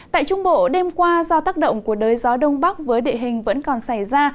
tại trung bộ đêm qua do tác động của đới gió đông bắc với địa hình vẫn còn xảy ra